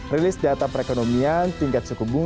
rilis data perekonomian tingkat suku bunga